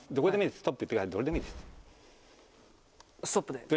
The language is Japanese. ストップ。